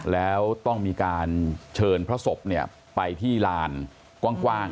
แล้วต้องมีการเชิญพระศพไปที่ลานกว้าง